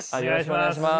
お願いします。